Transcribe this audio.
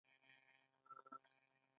خپل کار په وخت کول څه ګټه لري؟